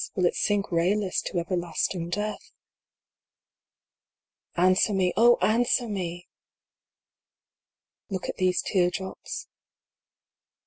Will it sink rayless to everlasting death ? Answer me Oh, answer me ! V. Look at these tear drops.